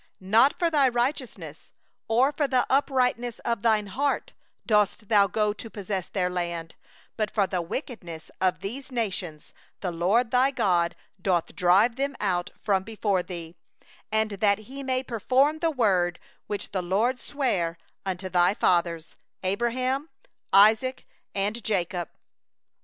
5Not for thy righteousness, or for the uprightness of thy heart, dost thou go in to possess their land; but for the wickedness of these nations the LORD thy God doth drive them out from before thee, and that He may establish the word which the LORD swore unto thy fathers, to Abraham, to Isaac, and to Jacob.